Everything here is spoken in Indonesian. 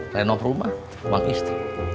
renov rumah uang istri